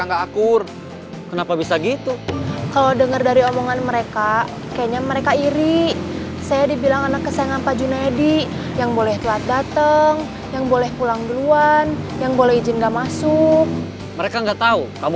enggak itu yang bikin salah paham